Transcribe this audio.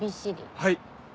はい。